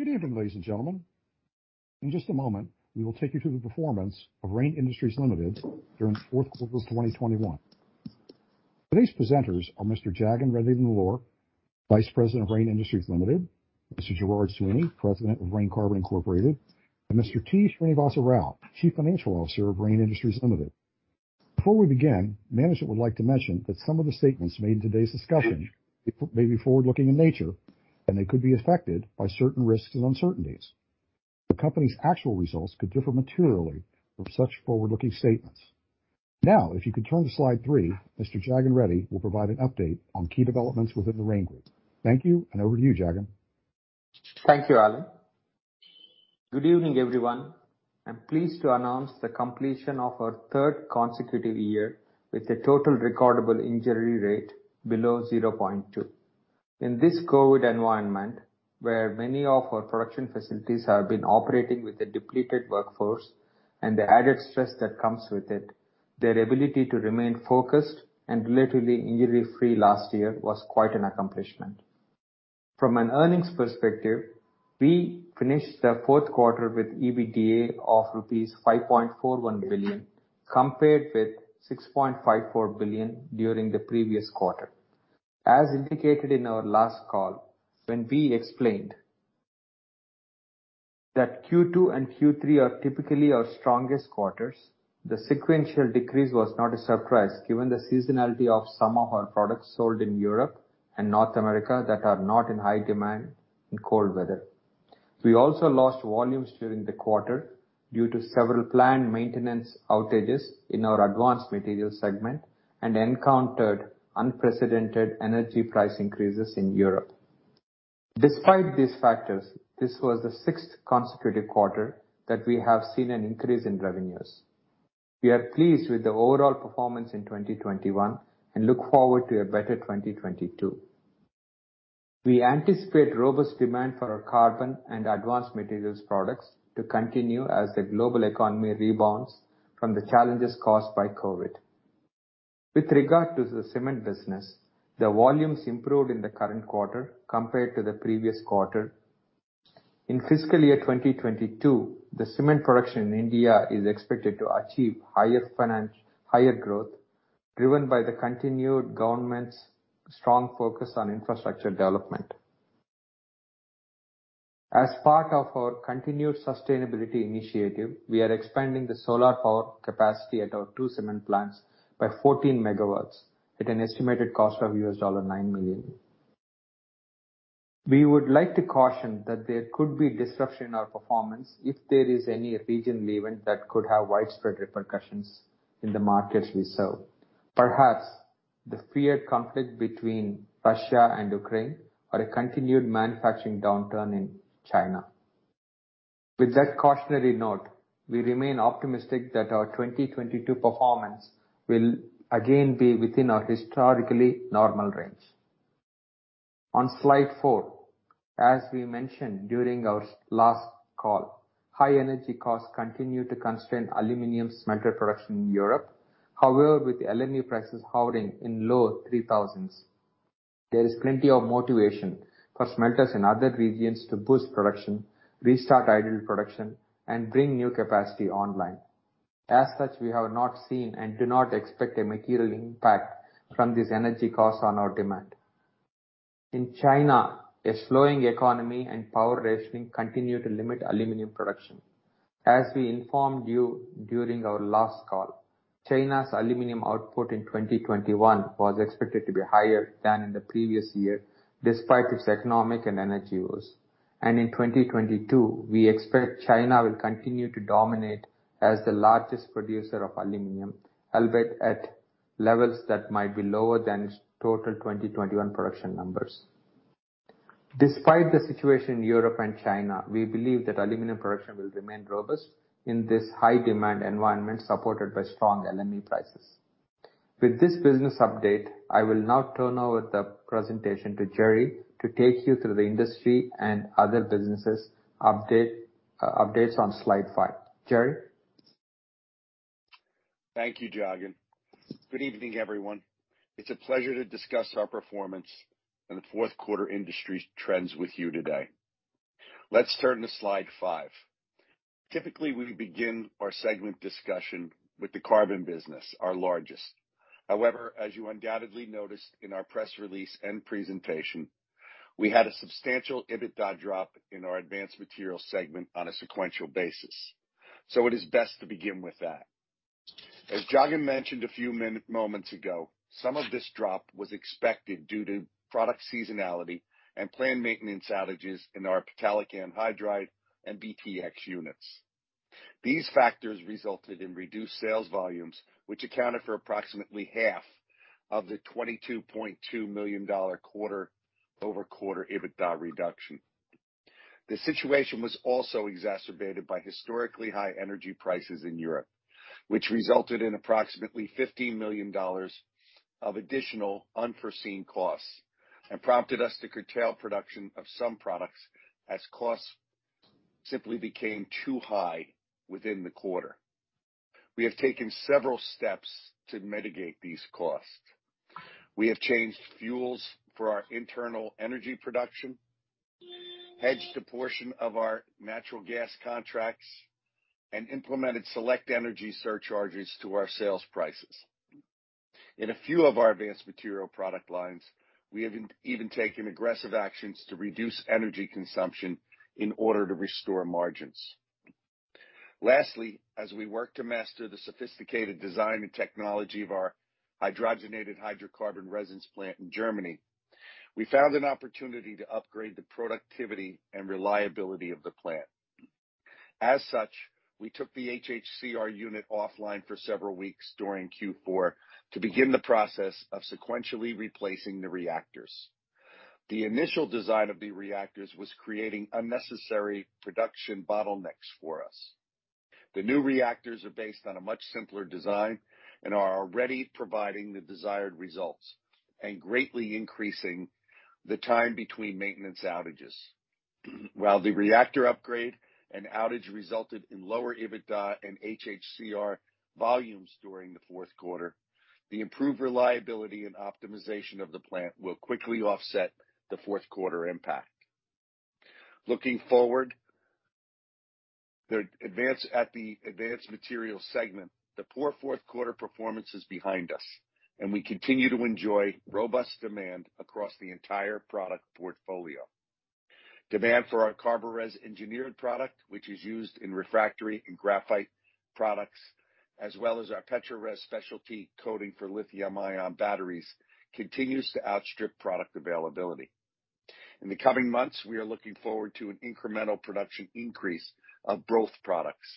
Good evening, ladies and gentlemen. In just a moment, we will take you through the performance of Rain Industries Limited during the fourth quarter of 2021. Today's presenters are Mr. Jagan Mohan Reddy Nellore, Vice Chairman of Rain Industries Limited, Mr. Gerard Sweeney, President of Rain Carbon Inc, and Mr. T. Srinivasa Rao, Chief Financial Officer of Rain Industries Limited. Before we begin, management would like to mention that some of the statements made in today's discussion may be forward-looking in nature, and they could be affected by certain risks and uncertainties. The company's actual results could differ materially from such forward-looking statements. Now, if you could turn to slide three, Mr. Jagan Mohan Reddy Nellore will provide an update on key developments within the Rain group. Thank you, and over to you, Jagan. Thank you, Alan. Good evening, everyone. I'm pleased to announce the completion of our third consecutive year with a total recordable injury rate below 0.2. In this COVID environment, where many of our production facilities have been operating with a depleted workforce and the added stress that comes with it, their ability to remain focused and relatively injury-free last year was quite an accomplishment. From an earnings perspective, we finished the fourth quarter with EBITDA of rupees 5.41 billion, compared with 6.54 billion during the previous quarter. As indicated in our last call, when we explained that Q2 and Q3 are typically our strongest quarters, the sequential decrease was not a surprise, given the seasonality of some of our products sold in Europe and North America that are not in high demand in cold weather. We also lost volumes during the quarter due to several planned maintenance outages in our Advanced Materials segment and encountered unprecedented energy price increases in Europe. Despite these factors, this was the sixth consecutive quarter that we have seen an increase in revenues. We are pleased with the overall performance in 2021 and look forward to a better 2022. We anticipate robust demand for our Carbon and Advanced Materials products to continue as the global economy rebounds from the challenges caused by COVID. With regard to the Cement business, the volumes improved in the current quarter compared to the previous quarter. In fiscal year 2022, the Cement production in India is expected to achieve higher growth, driven by the continued government's strong focus on infrastructure development. As part of our continued sustainability initiative, we are expanding the solar power capacity at our two cement plants by 14 MW at an estimated cost of $9 million. We would like to caution that there could be disruption in our performance if there is any regional event that could have widespread repercussions in the markets we serve. Perhaps the feared conflict between Russia and Ukraine or a continued manufacturing downturn in China. With that cautionary note, we remain optimistic that our 2022 performance will again be within our historically normal range. On Slide four, as we mentioned during our last call, high energy costs continue to constrain aluminum smelter production in Europe. However, with the LME prices hovering in the low 3,000s, there is plenty of motivation for smelters in other regions to boost production, restart idle production, and bring new capacity online. As such, we have not seen and do not expect a material impact from this energy cost on our demand. In China, a slowing economy and power rationing continue to limit aluminum production. As we informed you during our last call, China's aluminum output in 2021 was expected to be higher than in the previous year, despite its economic and energy woes. In 2022, we expect China will continue to dominate as the largest producer of aluminum, albeit at levels that might be lower than its total 2021 production numbers. Despite the situation in Europe and China, we believe that aluminum production will remain robust in this high demand environment supported by strong LME prices. With this business update, I will now turn over the presentation to Gerry to take you through the industry and other businesses update, updates on slide five. Gerry? Thank you, Jagan. Good evening, everyone. It's a pleasure to discuss our performance and the fourth quarter industry's trends with you today. Let's turn to slide 5. Typically, we begin our segment discussion with the Carbon business, our largest. However, as you undoubtedly noticed in our press release and presentation, we had a substantial EBITDA drop in our Advanced Materials segment on a sequential basis. It is best to begin with that. As Jagan mentioned a few moments ago, some of this drop was expected due to product seasonality and planned maintenance outages in our maleic anhydride and BTX units. These factors resulted in reduced sales volumes, which accounted for approximately half of the $22.2 million quarter-over-quarter EBITDA reduction. The situation was also exacerbated by historically high energy prices in Europe, which resulted in approximately $15 million of additional unforeseen costs and prompted us to curtail production of some products as costs simply became too high within the quarter. We have taken several steps to mitigate these costs. We have changed fuels for our internal energy production, hedged a portion of our natural gas contracts, and implemented select energy surcharges to our sales prices. In a few of our Advanced Materials product lines, we have even taken aggressive actions to reduce energy consumption in order to restore margins. Lastly, as we work to master the sophisticated design and technology of our hydrogenated hydrocarbon resins plant in Germany, we found an opportunity to upgrade the productivity and reliability of the plant. As such, we took the HHCR unit offline for several weeks during Q4 to begin the process of sequentially replacing the reactors. The initial design of the reactors was creating unnecessary production bottlenecks for us. The new reactors are based on a much simpler design and are already providing the desired results, and greatly increasing the time between maintenance outages. While the reactor upgrade and outage resulted in lower EBITDA and HHCR volumes during the fourth quarter, the improved reliability and optimization of the plant will quickly offset the fourth quarter impact. Looking forward, at the Advanced Materials segment, the poor fourth quarter performance is behind us and we continue to enjoy robust demand across the entire product portfolio. Demand for our CARBORES engineered product, which is used in refractory and graphite products, as well as our PETRORES specialty coating for lithium-ion batteries, continues to outstrip product availability. In the coming months, we are looking forward to an incremental production increase of both products,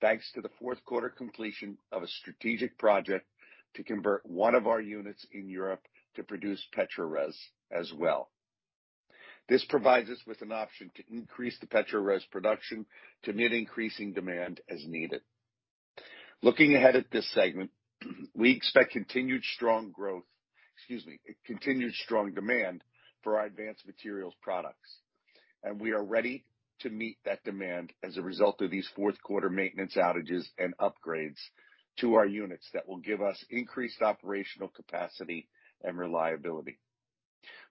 thanks to the fourth quarter completion of a strategic project to convert one of our units in Europe to produce PETRORES as well. This provides us with an option to increase the PETRORES production to meet increasing demand as needed. Looking ahead at this segment, we expect continued strong growth, excuse me, continued strong demand for our Advanced Materials products, and we are ready to meet that demand as a result of these fourth quarter maintenance outages and upgrades to our units that will give us increased operational capacity and reliability.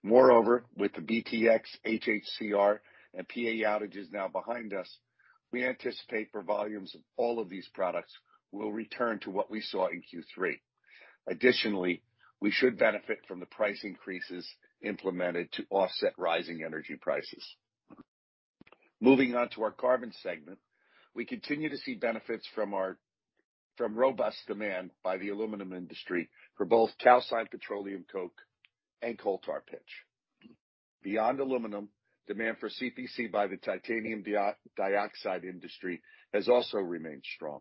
Moreover, with the BTX, HHCR, and PA outages now behind us, we anticipate for volumes of all of these products will return to what we saw in Q3. Additionally, we should benefit from the price increases implemented to offset rising energy prices. Moving on to our Carbon segment, we continue to see benefits from robust demand by the aluminum industry for both calcined petroleum coke and coal tar pitch. Beyond aluminum, demand for CPC by the titanium dioxide industry has also remained strong.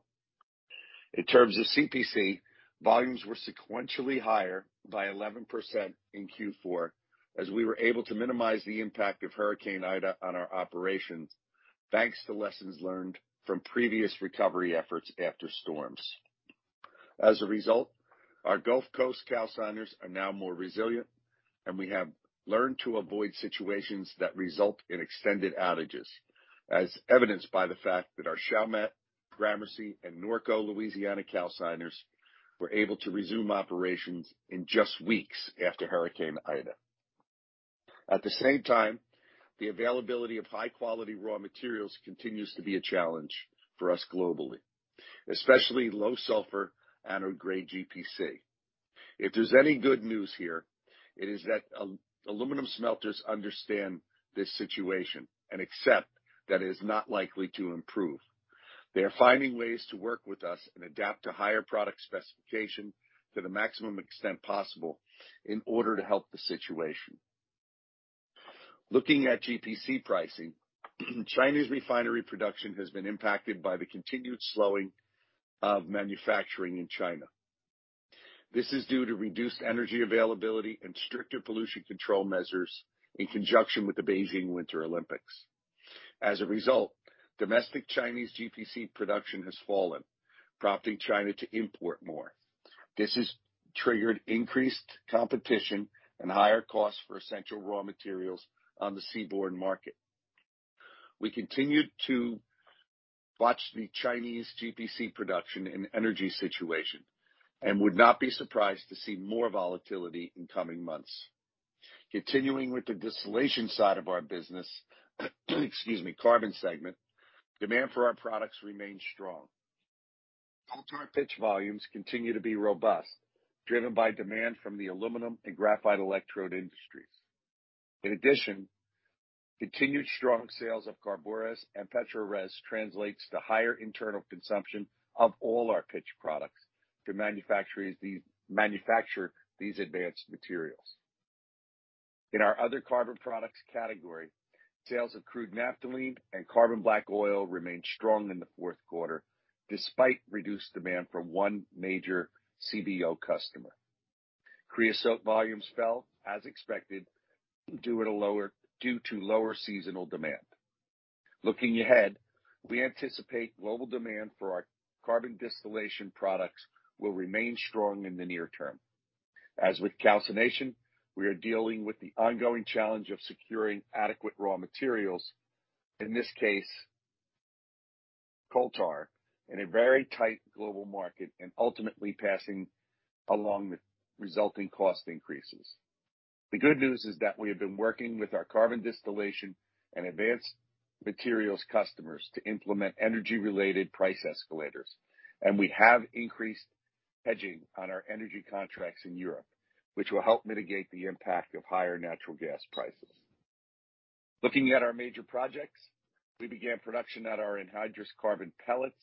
In terms of CPC, volumes were sequentially higher by 11% in Q4 as we were able to minimize the impact of Hurricane Ida on our operations, thanks to lessons learned from previous recovery efforts after storms. As a result, our Gulf Coast calciners are now more resilient, and we have learned to avoid situations that result in extended outages, as evidenced by the fact that our Chalmette, Gramercy, and Norco, Louisiana calciners were able to resume operations in just weeks after Hurricane Ida. At the same time, the availability of high-quality raw materials continues to be a challenge for us globally, especially low sulfur and/or green GPC. If there's any good news here, it is that aluminum smelters understand this situation and accept that it is not likely to improve. They are finding ways to work with us and adapt to higher product specification to the maximum extent possible in order to help the situation. Looking at GPC pricing, China's refinery production has been impacted by the continued slowing of manufacturing in China. This is due to reduced energy availability and stricter pollution control measures in conjunction with the Beijing Winter Olympics. As a result, domestic Chinese GPC production has fallen, prompting China to import more. This has triggered increased competition and higher costs for essential raw materials on the seaborne market. We continue to watch the Chinese GPC production and energy situation and would not be surprised to see more volatility in coming months. Continuing with the distillation side of our business, excuse me, Carbon segment, demand for our products remains strong. Coal tar pitch volumes continue to be robust, driven by demand from the aluminum and graphite electrode industries. In addition, continued strong sales of CARBORES and PETRORES translates to higher internal consumption of all our pitch products to manufacture these Advanced Materials. In our other carbon products category, sales of crude naphthalene and carbon black oil remained strong in the fourth quarter, despite reduced demand from one major CBO customer. Creosote volumes fell, as expected, due to lower seasonal demand. Looking ahead, we anticipate global demand for our carbon distillation products will remain strong in the near term. As with calcination, we are dealing with the ongoing challenge of securing adequate raw materials, in this case, coal tar, in a very tight global market and ultimately passing along the resulting cost increases. The good news is that we have been working with our carbon distillation and Advanced Materials customers to implement energy-related price escalators, and we have increased hedging on our energy contracts in Europe, which will help mitigate the impact of higher natural gas prices. Looking at our major projects, we began production at our anhydrous carbon pellets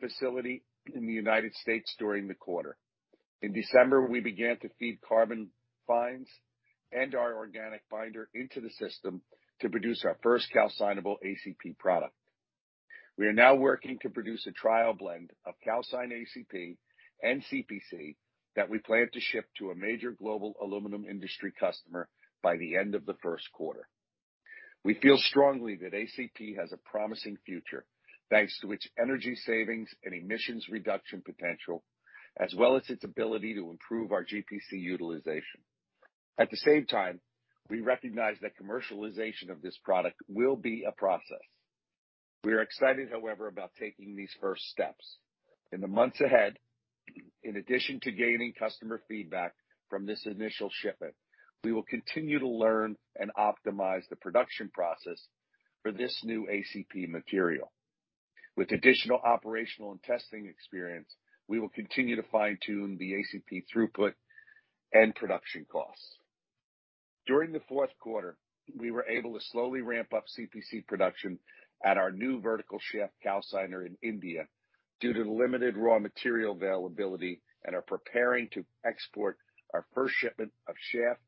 facility in the United States during the quarter. In December, we began to feed carbon fines and our organic binder into the system to produce our first calcinable ACP product. We are now working to produce a trial blend of calcined ACP and CPC that we plan to ship to a major global aluminum industry customer by the end of the first quarter. We feel strongly that ACP has a promising future, thanks to its energy savings and emissions reduction potential, as well as its ability to improve our GPC utilization. At the same time, we recognize that commercialization of this product will be a process. We are excited, however, about taking these first steps. In the months ahead, in addition to gaining customer feedback from this initial shipment, we will continue to learn and optimize the production process for this new ACP material. With additional operational and testing experience, we will continue to fine-tune the ACP throughput and production costs. During the fourth quarter, we were able to slowly ramp up CPC production at our new vertical shaft calciner in India due to the limited raw material availability and are preparing to export our first shipment of shaft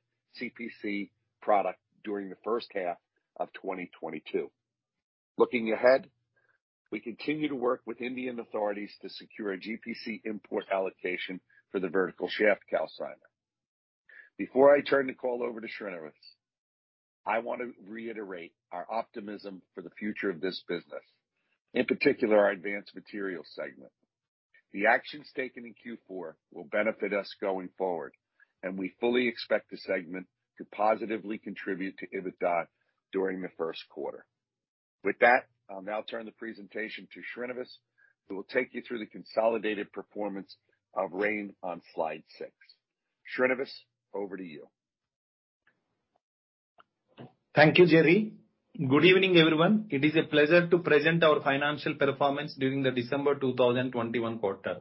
CPC product during the H1 of 2022. Looking ahead, we continue to work with Indian authorities to secure a GPC import allocation for the vertical shaft calciner. Before I turn the call over to Srinivas, I want to reiterate our optimism for the future of this business, in particular our Advanced Materials segment. The actions taken in Q4 will benefit us going forward, and we fully expect the segment to positively contribute to EBITDA during the first quarter. With that, I'll now turn the presentation to Srinivas, who will take you through the consolidated performance of Rain on slide 6. Srinivas, over to you. Thank you, Gerry. Good evening, everyone. It is a pleasure to present our financial performance during the December 2021 quarter.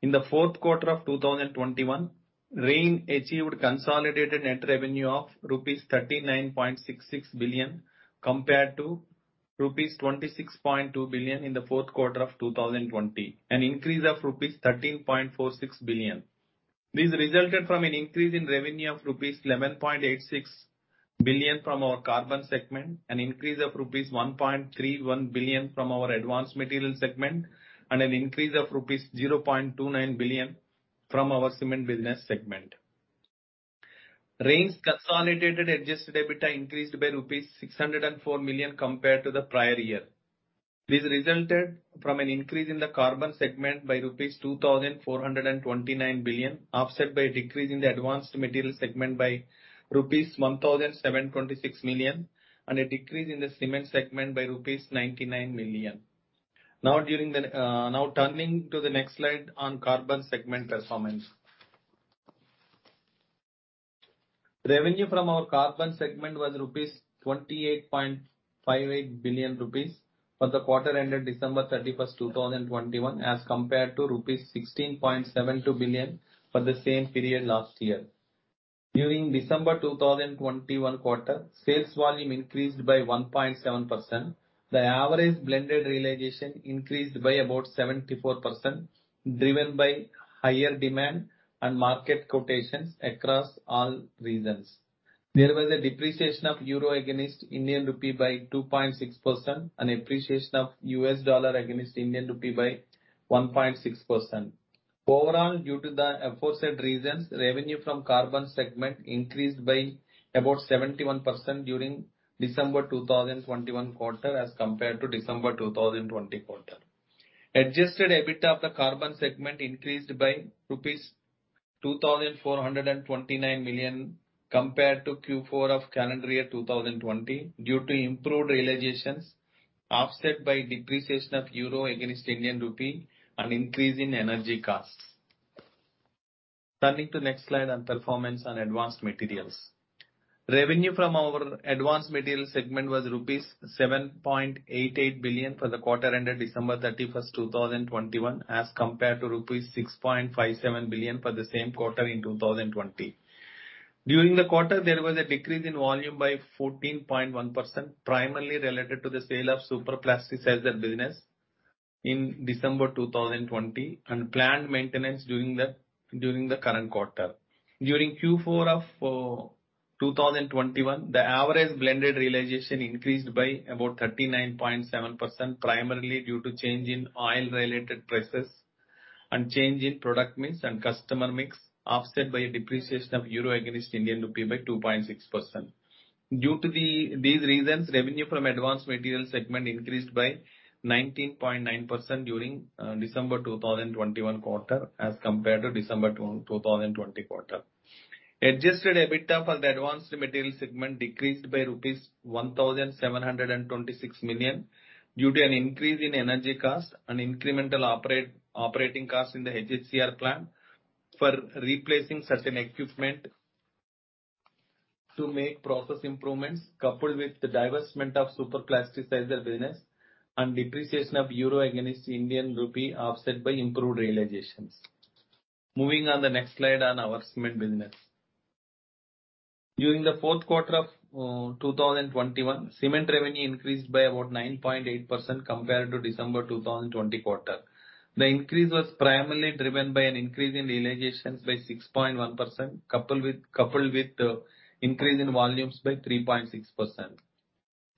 In the fourth quarter of 2021, Rain achieved consolidated net revenue of rupees 39.66 billion compared to rupees 26.2 billion in the fourth quarter of 2020, an increase of rupees 13.46 billion. This resulted from an increase in revenue of rupees 11.86 billion from our Carbon segment, an increase of rupees 1.31 billion from our Advanced Materials segment, and an increase of rupees 0.29 billion from our Cement segment. Rain's consolidated adjusted EBITDA increased by rupees 604 million compared to the prior year. This resulted from an increase in the Carbon segment by rupees 2,429 billion, offset by a decrease in the Advanced Materials segment by rupees 1,726 million, and a decrease in the Cement segment by rupees 99 million. Now turning to the next slide on Carbon segment performance. Revenue from our Carbon segment was 28.58 billion rupees for the quarter ended December 31, 2021, as compared to rupees 16.72 billion for the same period last year. During December 2021 quarter, sales volume increased by 1.7%. The average blended realization increased by about 74%, driven by higher demand and market quotations across all regions. There was a depreciation of euro against Indian rupee by 2.6% and appreciation of U.S. dollar against Indian rupee by 1.6%. Overall, due to the aforesaid reasons, revenue from Carbon segment increased by about 71% during December 2021 quarter as compared to December 2020 quarter. Adjusted EBITDA of the Carbon segment increased by rupees 2,429 million compared to Q4 of calendar year 2020 due to improved realizations, offset by depreciation of euro against Indian rupee and increase in energy costs. Turning to next slide on performance on Advanced Materials. Revenue from our Advanced Materials segment was rupees 7.88 billion for the quarter ended December 31, 2021, as compared to rupees 6.57 billion for the same quarter in 2020. During the quarter, there was a decrease in volume by 14.1%, primarily related to the sale of superplasticizer business in December 2020 and planned maintenance during the current quarter. During Q4 of 2021, the average blended realization increased by about 39.7%, primarily due to change in oil-related prices and change in product mix and customer mix, offset by a depreciation of euro against Indian rupee by 2.6%. Due to these reasons, revenue from Advanced Materials segment increased by 19.9% during December 2021 quarter as compared to December 2020 quarter. Adjusted EBITDA for the Advanced Materials segment decreased by rupees 1,726 million due to an increase in energy costs and incremental operating costs in the HHCR plant for replacing certain equipment to make process improvements, coupled with the divestment of superplasticizer business and depreciation of euro against Indian rupee, offset by improved realizations. Moving on to the next slide on our cement business. During the fourth quarter of 2021, cement revenue increased by about 9.8% compared to December 2020 quarter. The increase was primarily driven by an increase in realizations by 6.1% coupled with the increase in volumes by 3.6%.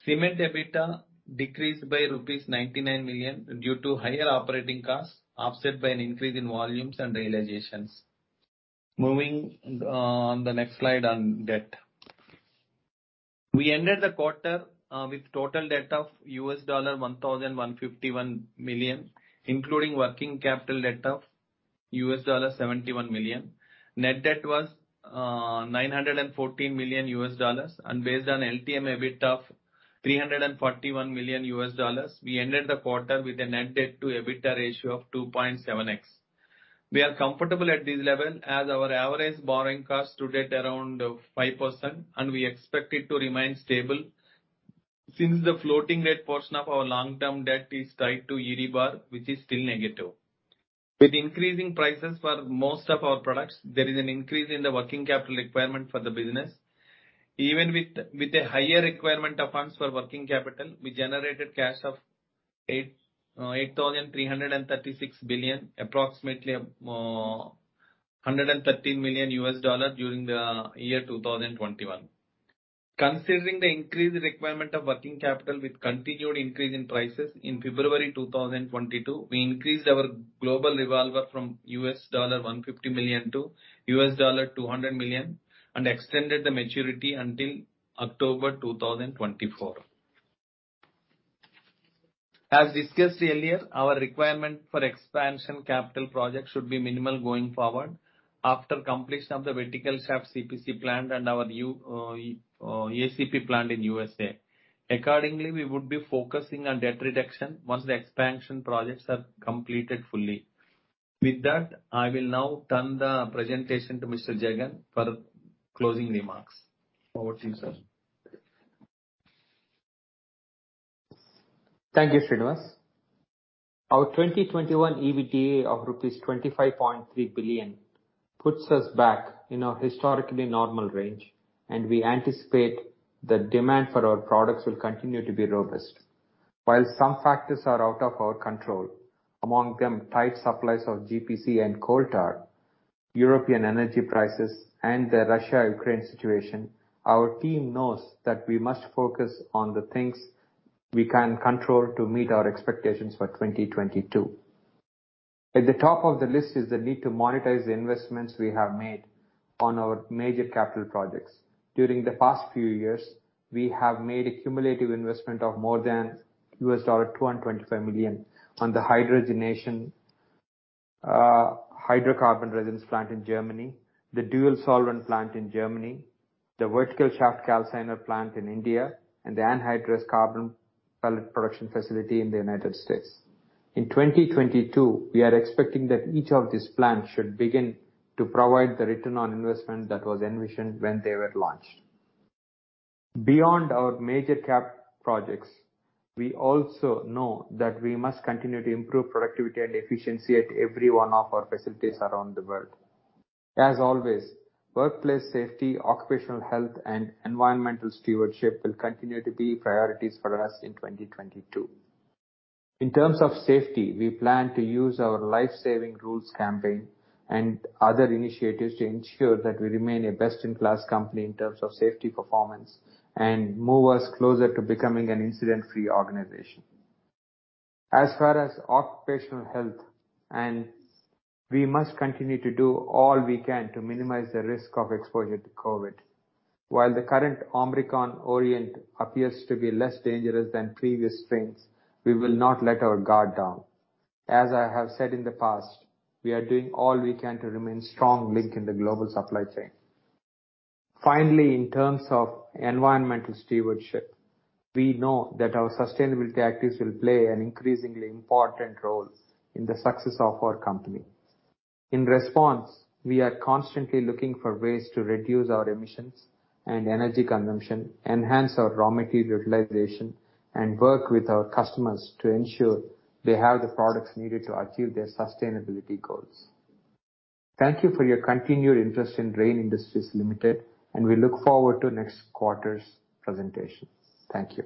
Cement EBITDA decreased by 99 million rupees due to higher operating costs, offset by an increase in volumes and realizations. Moving on the next slide on debt. We ended the quarter with total debt of $1,151 million, including working capital debt of $71 million. Net debt was $914 million and based on LTM EBITDA of $341 million, we ended the quarter with a net debt to EBITDA ratio of 2.7x. We are comfortable at this level as our average borrowing cost stood at around 5%, and we expect it to remain stable since the floating rate portion of our long-term debt is tied to EURIBOR, which is still negative. With increasing prices for most of our products, there is an increase in the working capital requirement for the business. Even with a higher requirement of funds for working capital, we generated cash of 8,336 million, approximately $113 million during the year 2021. Considering the increased requirement of working capital with continued increase in prices in February 2022, we increased our global revolver from $150 million to $200 million and extended the maturity until October 2024. As discussed earlier, our requirement for expansion capital projects should be minimal going forward after completion of the vertical shaft CPC plant and our ACP plant in U.S.A. Accordingly, we would be focusing on debt reduction once the expansion projects are completed fully. With that, I will now turn the presentation to Mr. Jagan for closing remarks. Over to you, sir. Thank you, Srinivas. Our 2021 EBITDA of rupees 25.3 billion puts us back in our historically normal range, and we anticipate the demand for our products will continue to be robust. While some factors are out of our control, among them tight supplies of GPC and coal tar, European energy prices and the Russia-Ukraine situation, our team knows that we must focus on the things we can control to meet our expectations for 2022. At the top of the list is the need to monetize the investments we have made on our major capital projects. During the past few years, we have made a cumulative investment of more than $225 million on the hydrogenated hydrocarbon resins plant in Germany, the dual solvent plant in Germany, the vertical shaft calciner plant in India, and the anhydrous carbon pellets production facility in the United States. In 2022, we are expecting that each of these plants should begin to provide the return on investment that was envisioned when they were launched. Beyond our major cap projects, we also know that we must continue to improve productivity and efficiency at every one of our facilities around the world. As always, workplace safety, occupational health, and environmental stewardship will continue to be priorities for us in 2022. In terms of safety, we plan to use our Life-Saving Rules campaign and other initiatives to ensure that we remain a best-in-class company in terms of safety performance and move us closer to becoming an incident-free organization. As far as occupational health, we must continue to do all we can to minimize the risk of exposure to COVID. While the current Omicron variant appears to be less dangerous than previous strains, we will not let our guard down. As I have said in the past, we are doing all we can to remain a strong link in the global supply chain. Finally, in terms of environmental stewardship, we know that our sustainability activities will play an increasingly important role in the success of our company. In response, we are constantly looking for ways to reduce our emissions and energy consumption, enhance our raw material utilization, and work with our customers to ensure they have the products needed to achieve their sustainability goals. Thank you for your continued interest in Rain Industries Limited, and we look forward to next quarter's presentation. Thank you.